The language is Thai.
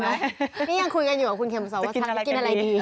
นี่ยังคุยกันอยู่กับคุณเขียนผู้สาวว่าจะกินอะไรดี